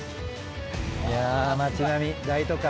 いや街並み大都会。